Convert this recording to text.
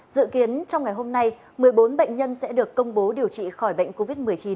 dự kiến trong ngày hôm nay một mươi bốn bệnh nhân sẽ được công bố điều trị khỏi bệnh covid một mươi chín